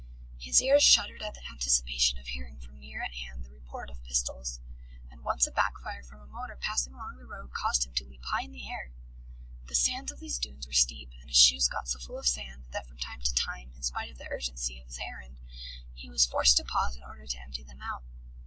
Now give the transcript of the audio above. His ears shuddered at the anticipation of hearing from near at hand the report of pistols, and once a back fire from a motor passing along the road caused him to leap high in the air. The sides of these dunes were steep, and his shoes got so full of sand, that from time to time, in spite of the urgency of his errand, he was forced to pause in order to empty them out.